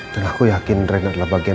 dan aku yakin rena adalah bagian